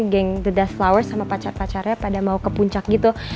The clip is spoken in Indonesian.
gang the dust flowers sama pacar pacarnya pada mau ke puncak gitu